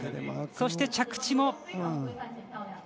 そして着地も。